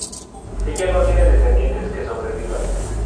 Ella no tiene descendientes que sobrevivan.